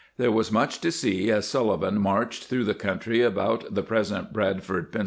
^ There was much to see as Sullivan marched through the country about the present Bradford, Penn.